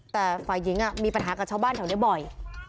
แต่ฝ่ายหญิงมีปัญหากับชาวบ้านแถวนี้บ่อย